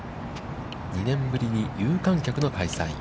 ２年ぶりに有観客の開催。